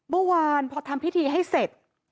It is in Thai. เมื่อวานพอทำพิธีให้เสร็จ